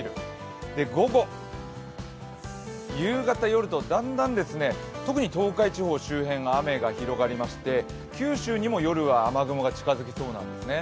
午後、夕方、夜とだんだん特に東海地方を中心に雨が広がりまして、九州にも夜は雨雲が近づきそうなんですね。